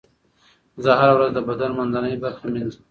زه هره ورځ د بدن منځنۍ برخه مینځم.